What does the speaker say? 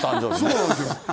そうなんですよ。